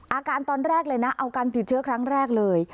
อาการตอนแรกเลยนะเอาการติดเชื้อครั้งแรกเลย